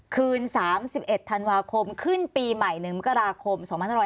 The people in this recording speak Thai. คืน๓๑ธันวาคมขึ้นปีใหม่๑มกราคม๒๕๖๒